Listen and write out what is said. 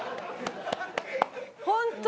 ホント？